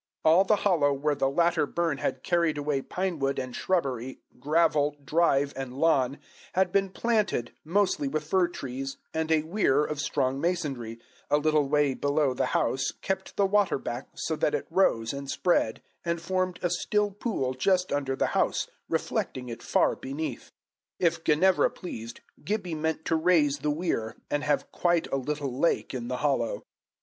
All the hollow where the latter burn had carried away pine wood and shrubbery, gravel drive and lawn, had been planted, mostly with fir trees; and a weir of strong masonry, a little way below the house, kept the water back, so that it rose and spread, and formed a still pool just under the house, reflecting it far beneath. If Ginevra pleased, Gibbie meant to raise the weir, and have quite a little lake in the hollow.